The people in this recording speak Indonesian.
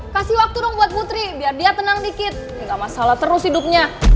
kasih waktu dong buat putri biar dia tenang dikit gak masalah terus hidupnya